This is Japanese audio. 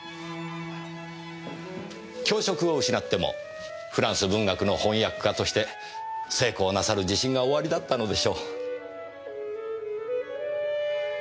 教職を失ってもフランス文学の翻訳家として成功なさる自信がおありだったのでしょう。